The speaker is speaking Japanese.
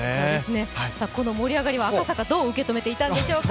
この盛り上がりは、赤坂、どう見ていたんでしょうか。